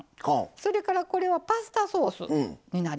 それからこれはパスタソースになりますね。